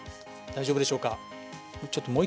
大丈夫でしょうか。